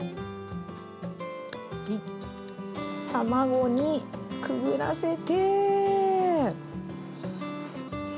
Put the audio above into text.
卵にくぐらせて。